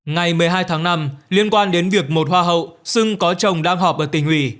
ngày một mươi hai tháng năm liên quan đến việc một hoa hậu xưng có chồng đang họp ở tỉnh ủy